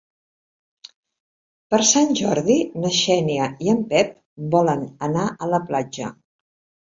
Per Sant Jordi na Xènia i en Pep volen anar a la platja.